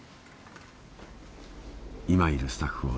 今いるスタッフを。